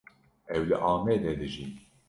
Ew li Amedê dijî.